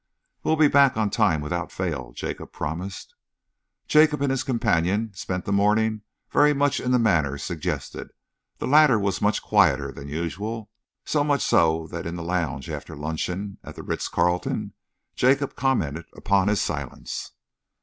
"We'll be back on time without fail," Jacob promised. Jacob and his companion spent the morning very much in the manner suggested. The latter was much quieter than usual, so much so that in the lounge after luncheon at the Ritz Carlton, Jacob commented upon his silence.